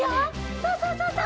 そうそうそうそう。